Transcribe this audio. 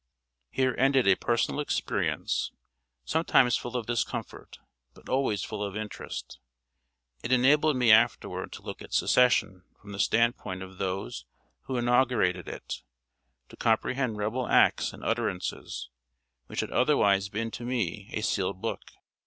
Here ended a personal experience, sometimes full of discomfort, but always full of interest. It enabled me afterward to look at Secession from the stand point of those who inaugurated it; to comprehend Rebel acts and utterances, which had otherwise been to me a sealed book.